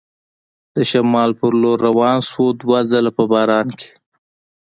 د شمال په لور روان شو، دوه ځله په باران کې.